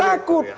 dia yang takut